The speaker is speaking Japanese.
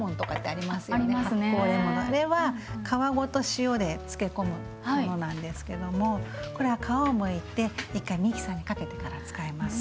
あれは皮ごと塩で漬け込むものなんですけどもこれは皮をむいて一回ミキサーにかけてから使います。